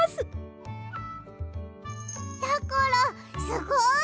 やころすごい！